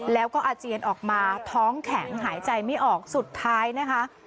แล้วก็อาเจียนออกมาท้องแข็งหายใจไม่ออกสุดท้ายนะคะ